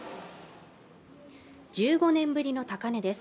１５年ぶりの高値です。